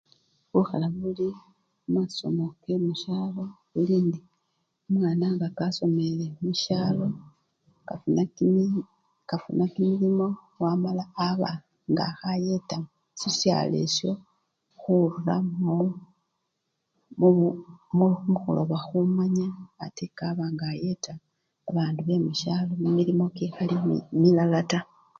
Bukhala buli mumasomo kemusyalo ilindi omwana nga kasomele musyalo afuna kimi! afuna kimilimo amala waramba nga khayeta sisyalo esyo khuba mu! mubu! mu! mukhuloma khumanya ate kaba nga ayeta babandu bemusyalo kimilimo kikhali milala taa!